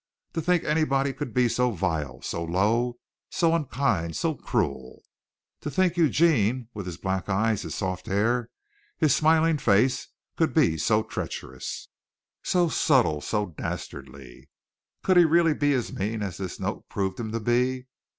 To think anybody could be so vile, so low, so unkind, so cruel! To think that Eugene with his black eyes, his soft hair, his smiling face, could be so treacherous, so subtle, so dastardly! Could he really be as mean as this note proved him to be?